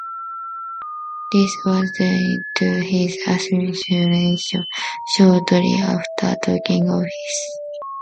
This was due to his assassination shortly after taking office.